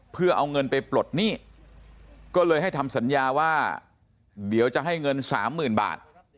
เพื่อเอาเงินไปปลดหนี้ก็เลยให้ทำสัญญาว่าเดี๋ยวจะให้เงินสามหมื่นบาท